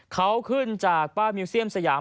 เขาขึ้นจากป้ามิวเซียมสยาม